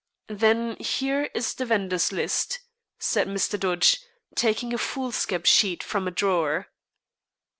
"Then here is the vendors' list," said Mr. Dodge, taking a foolscap sheet from a drawer.